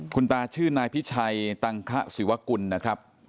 คุณตาชื่อนายพิชัยตังคศิวกุลนะครับ